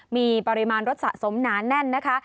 มีปริมาณรถสะสมหนาแน่นนะคะ